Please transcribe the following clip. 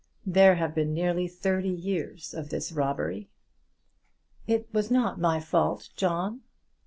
There have been nearly thirty years of this robbery!" "It was not my fault, John."